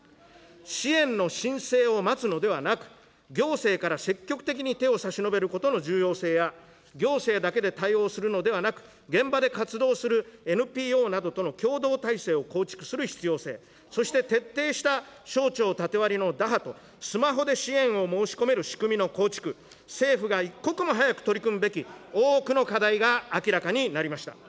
支援の申請を待つのではなく、行政から積極的に手を差し伸べることの重要性や、行政だけで対応するのではなく、現場で活動するＮＰＯなどとの協働体制を構築する必要性、そして徹底した省庁縦割りの打破と、スマホで支援を申し込める仕組みの構築、政府が一刻も早く取り組むべき多くの課題が明らかになりました。